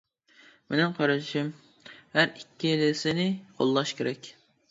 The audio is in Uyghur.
مىنىڭ قارىشىم ھەر ئىككىلىسىنى قوللاش كېرەك.